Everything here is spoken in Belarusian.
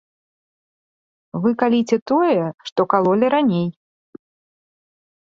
Вы каліце тое, што калолі раней!